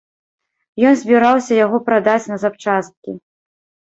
Ён збіраўся яго прадаць на запчасткі.